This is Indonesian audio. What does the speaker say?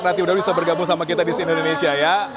nanti udah bisa bergabung sama kita di si indonesia ya